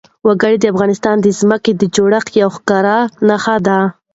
وګړي د افغانستان د ځمکې د جوړښت یوه ښکاره نښه ده.